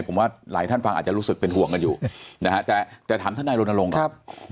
ผมว่าหลายท่านฟังอาจจะรู้สึกเป็นห่วงกันอยู่นะฮะแต่ถามท่านนายรณรงค์ก่อน